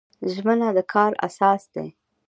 ژمنه د کار اساس دی